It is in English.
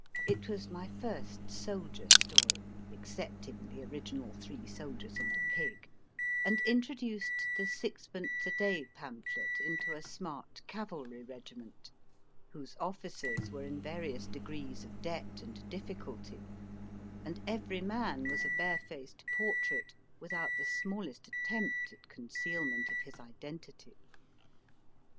It was my first soldier story excepting the original three soldiers and a pig and introduced the sixpence a day pamphlet into a smart cavalry regiment, whose officers were in various degrees of debt and difficulty, and every man was a barefaced portrait, without the smallest attempt at concealment of his identity.